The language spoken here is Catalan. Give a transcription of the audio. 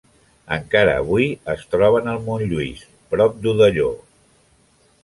Encara avui es troba en el Montlluís, prop d'Odelló.